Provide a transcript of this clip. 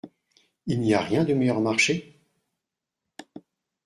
Il n’y a rien de meilleur marché ?